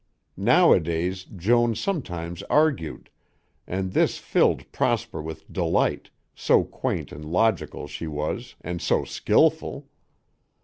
Nowadays Joan sometimes argued, and this filled Prosper with delight, so quaint and logical she was and so skillful.